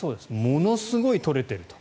ものすごい取れていると。